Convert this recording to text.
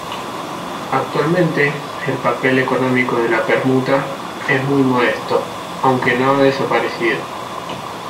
Actualmente el papel económico de la permuta es muy modesto, aunque no ha desaparecido.